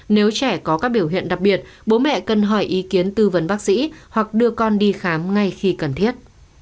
nếu trẻ có các biểu hiện đặc biệt bố mẹ cần hỏi ý kiến tư vấn bác sĩ hoặc đưa con đi khám ngay khi cần thiết